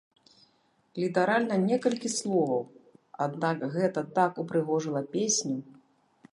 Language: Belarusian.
Літаральна некалькі словаў, аднак гэта так упрыгожыла песню!